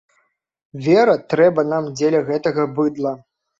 Вера трэба нам дзеля гэтага быдла.